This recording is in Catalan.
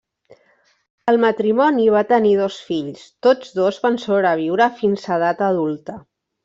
El matrimoni va tenir dos fills, tots dos van sobreviure fins a edat adulta.